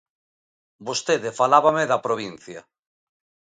Vostede falábame da provincia.